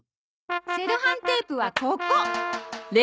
セロハンテープはここ！